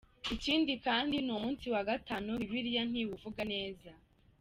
Ikindi kandi n’umunsi wa Gatanu Bibiliya ntiwuvuga neza:.